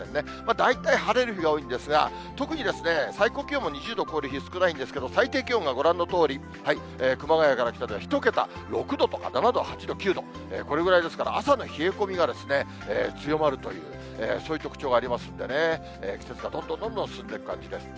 大体晴れる日が多いんですが、特に最高気温も２０度を超える日、少ないんですけど、最低気温がご覧のとおり、熊谷から北では１桁、６度とか７度、８度、９度、これぐらいですから、朝の冷え込みが強まるという、そういった特徴がありますんでね、季節がどんどんどんどん進んでいく感じです。